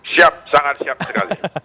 siap sangat siap sekali